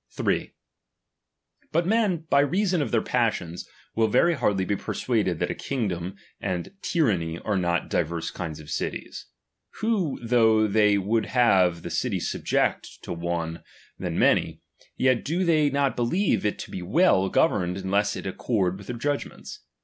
uToiVdi^S 3. But men, by reason of their passions, will sisic from akgi. very hardly be persuaded that a kingdom and timale monarcby ',.,...,,, tyranny are not diverse kinds or cities; who though they would rather have the city subject to one than many, yet do they not believe it to be well governed unless it accord with their judgments.